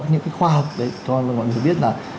những cái khoa học đấy cho mọi người biết là